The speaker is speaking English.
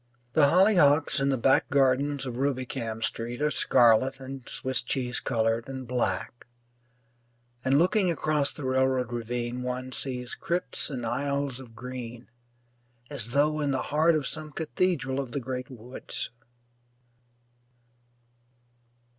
The hollyhocks in the back gardens of Rubicam Street are scarlet and Swiss cheese coloured and black; and looking across the railroad ravine one sees crypts and aisles of green as though in the heart of some cathedral of the great woods.